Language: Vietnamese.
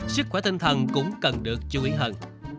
sức khỏe tinh thần cũng cần được chú ý hơn